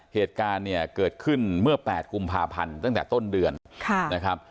เหตุการณ์เนี่ยเกิดขึ้นเมื่อ๘กุมภาพันธ์ตั้งแต่ต้นเดือนนะครับ